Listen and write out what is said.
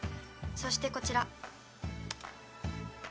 そしてこちら。